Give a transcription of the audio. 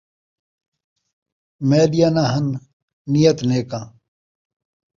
میݙیاں نہ ہن نیت نیکاں